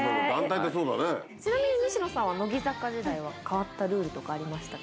ちなみに西野さんは、乃木坂時代は変わったルールありましたか？